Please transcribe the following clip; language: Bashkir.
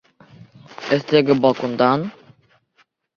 Өҫтәге балкондан?